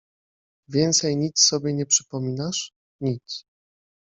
— Więcej nic sobie nie przypominasz? — Nic.